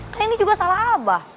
nah ini juga salah abah